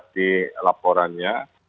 dari evaluasi laporannya